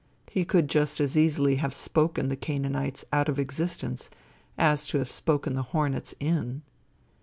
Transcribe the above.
He could just as easily have spoken the Canaanites out of existence as to have spoken the hornets in.